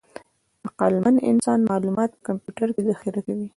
عقلمن انسان معلومات په کمپیوټر کې ذخیره کوي.